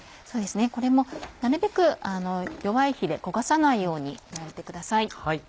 これもなるべく弱い火で焦がさないように焼いてください。